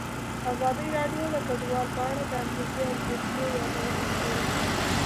ازادي راډیو د کډوال په اړه د امنیتي اندېښنو یادونه کړې.